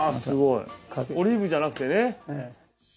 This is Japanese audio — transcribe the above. すごいオリーブじゃなくてね。